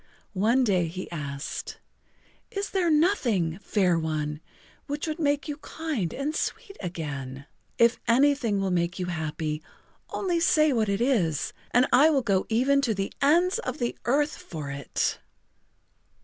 One day he asked: "Is there nothing, Fair One, would make you kind and sweet again? If anything will make you happy, only say what it is and I will go even to the ends of the earth for it."